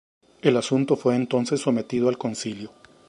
El asunto fue entonces sometido al Concilio.